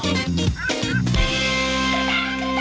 เพิ่มเวลา